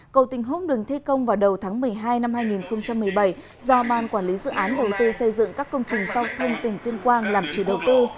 cầu tình húc được thi công vào đầu tháng một mươi hai năm hai nghìn một mươi bảy do ban quản lý dự án đầu tư xây dựng các công trình giao thông tỉnh tuyên quang làm chủ đầu tư